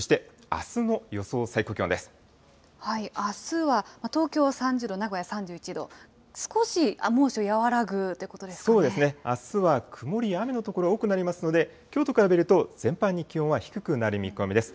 あすは東京は３０度、名古屋３１度、少し猛暑、そうですね、あすは曇りや雨の所が多くなりますので、きょうと比べると全般に気温は低くなる見込みです。